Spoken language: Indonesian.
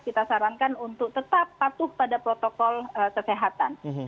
kita sarankan untuk tetap patuh pada protokol kesehatan